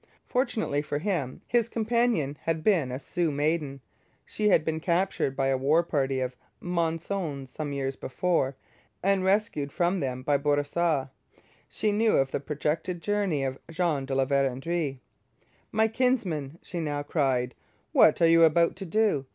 Fortunately for him his companion had been a Sioux maiden; she had been captured by a war party of Monsones some years before and rescued from them by Bourassa. She knew of the projected journey of Jean de La Vérendrye. 'My kinsmen,' she now cried, 'what are you about to do?